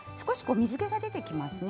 水けが出てきますね。